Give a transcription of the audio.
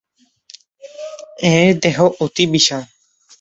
এঁর দেহ অতি বিশাল।